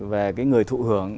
về cái người thụ hưởng